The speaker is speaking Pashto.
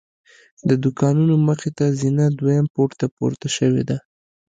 د دوکانونو مخې ته زینه دویم پوړ ته پورته شوې ده.